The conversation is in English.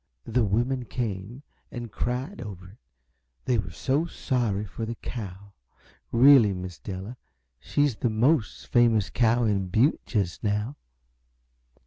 The women came and cried over it they were so sorry for the cow. Really, Miss Della, she's the most famous cow in Butte, just now.